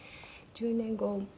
１０年後。